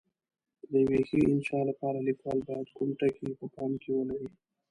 د یوې ښې انشأ لپاره لیکوال باید کوم ټکي په پام کې ولري؟